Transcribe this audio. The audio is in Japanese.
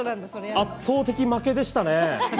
圧倒的負けでしたね。